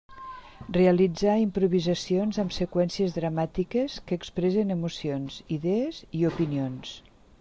Realitzar improvisacions amb seqüències dramàtiques que expressen emocions, idees i opinions.